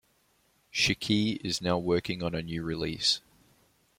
Shikhee is now working on a new release.